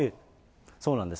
そうなんです。